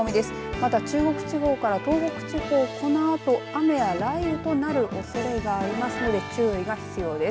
また中国地方から東北地方このあと雨や雷雨となるおそれがありますので注意が必要です。